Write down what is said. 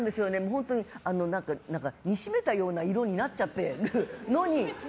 本当に煮しめたような色になっちゃってるのに。